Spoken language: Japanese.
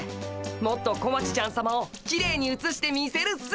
もっと小町ちゃんさまをきれいにうつしてみせるっす。